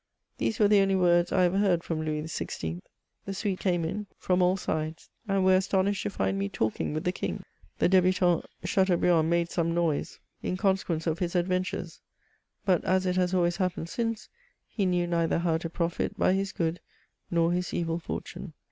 These were the only words I ever heard from Louis XVI. The suite came in from all sides, and were astonished to find me talking with the King. The debutant Chateaubriand made some noise in consequence of his adventures ; but, as it has always hi^ pened since, he knew neither how to profit by his good nor his evil fortune.